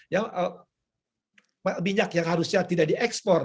ya minyak yang harusnya tidak diekspor